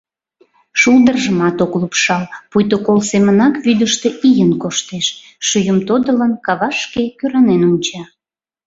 Шулдыржымат ок лупшал, пуйто кол семынак вӱдыштӧ ийын коштеш, — шӱйым тодылын, кавашке кӧранен онча.